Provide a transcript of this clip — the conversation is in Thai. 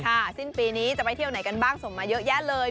สิ้นปีนี้จะไปเที่ยวไหนกันบ้างส่งมาเยอะแยะเลย